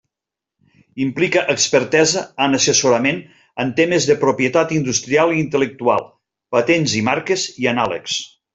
Implica expertesa en assessorament en temes de propietat industrial i intel·lectual, patents i marques, i anàlegs.